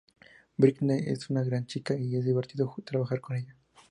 Britney es una gran chica y es divertido trabajar con ella".